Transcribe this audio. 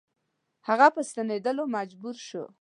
هغه په ستنېدلو مجبور شو.